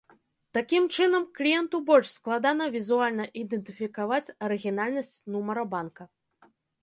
Такім чынам, кліенту больш складана візуальна ідэнтыфікаваць арыгінальнасць нумара банка.